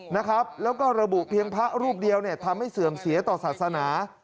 แล้วก็ระบุเพียงพระรูปเดียวทำให้เสื่อมเสียต่อศาสนา